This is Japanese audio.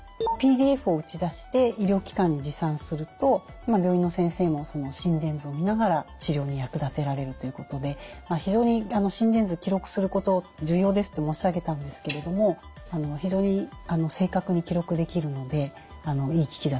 ＰＤＦを打ち出して医療機関に持参すると病院の先生も心電図を見ながら治療に役立てられるということで非常に心電図記録すること重要ですと申し上げたんですけれども非常に正確に記録できるのでいい機器だというふうに思います。